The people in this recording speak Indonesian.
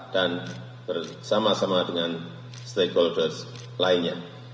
dan bersama sama dengan stakeholders lainnya